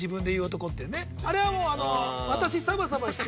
あれはもう。